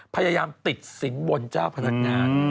พยายามติดสินบนเจ้าพนักงาน